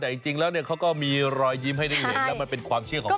แต่จริงแล้วเนี่ยเขาก็มีรอยยิ้มให้ได้เห็นแล้วมันเป็นความเชื่อของเขา